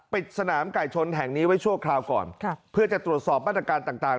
สนามไก่ชนแห่งนี้ไว้ชั่วคราวก่อนค่ะเพื่อจะตรวจสอบมาตรการต่างต่าง